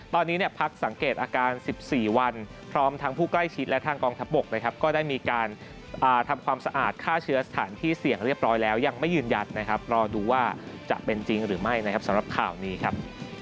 ตอนนี้พักสังเกตอาการ๑๔วันพร้อมทั้งผู้ใกล้ชิดและทางกองทัพบกนะครับก็ได้มีการทำความสะอาดฆ่าเชื้อสถานที่เสี่ยงเรียบร้อยแล้วยังไม่ยืนยันนะครับรอดูว่าจะเป็นจริงหรือไม่นะครับสำหรับข่าวนี้ครับ